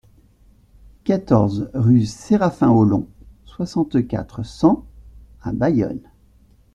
quatorze rue Séraphin Haulon, soixante-quatre, cent à Bayonne